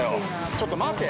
ちょっと待て！